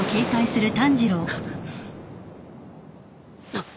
あっ。